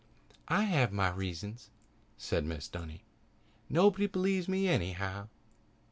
"I have my reasons," said Mrs. Dunny. "Nobody believes me anyhow."